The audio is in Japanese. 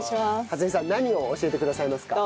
初美さん何を教えてくださいますか？